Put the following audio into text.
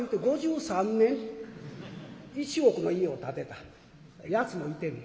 １億の家を建てたやつもいてる。